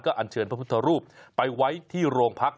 อันเชิญพระพุทธรูปไปไว้ที่โรงพัก